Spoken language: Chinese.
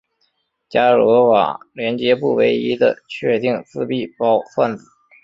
伽罗瓦连接不唯一的确定自闭包算子。